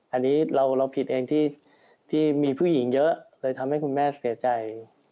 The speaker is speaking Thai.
อันนี้เราผิดเองที่มีผู้หญิงเยอะเลยทำให้คุณแม่เสียใจ